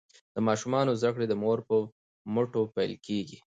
د ماشومانو زده کړې د مور په مټو پیل کیږي.